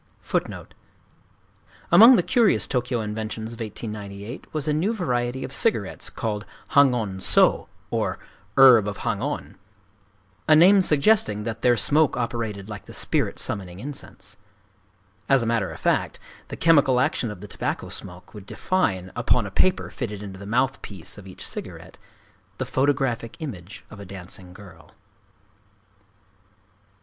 Among the curious Tōkyō inventions of 1898 was a new variety of cigarettes called Hangon sō, or "Herb of Hangon,"—a name suggesting that their smoke operated like the spirit summoning incense. As a matter of fact, the chemical action of the tobacco smoke would define, upon a paper fitted into the mouth piece of each cigarette, the photographic image of a dancing girl.